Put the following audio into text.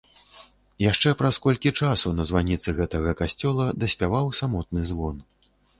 Яшчэ праз колькі часу на званіцы гэтага касцёла даспяваў самотны звон.